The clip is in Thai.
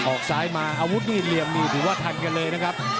ออกซ้ายมาอาวุธนี่เหลี่ยมนี่ถือว่าทันกันเลยนะครับ